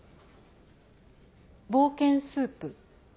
「冒険スープ」